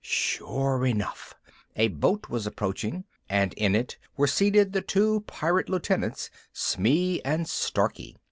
Sure enough a boat was approaching, and in it were seated the two pirate lieutenants, Smee and Starkey.